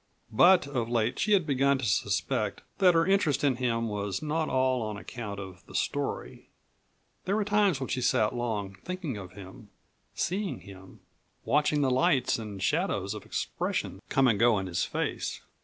But of late she had begun to suspect that her interest in him was not all on account of the story; there were times when she sat long thinking of him, seeing him, watching the lights and shadows of expression come and go in his face.